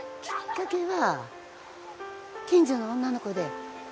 きっかけは近所の女の子で